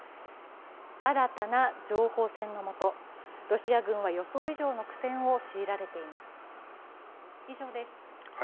新たな情報戦のもと、ロシア軍は予想以上の苦戦を強いられています。